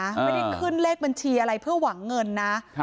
ไม่ได้ขึ้นเลขบัญชีอะไรเพื่อหวังเงินนะครับ